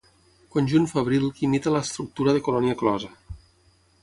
Conjunt fabril que imita l'estructura de colònia closa.